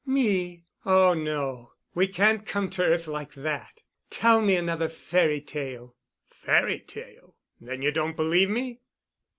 "Me? Oh, no. We can't come to earth like that. Tell me another fairy tale." "Fairy tale? Then you don't believe me?"